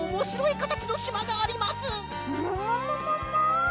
ももももも！